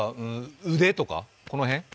腕とかこの辺？